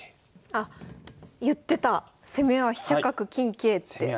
あっ言ってた攻めは飛車角金桂。